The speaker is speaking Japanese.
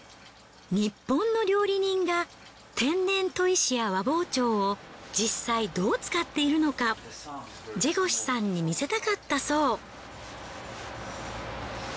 ニッポンの料理人が天然砥石や和包丁を実際どう使っているのかジェゴシュさんに見せたかったそう。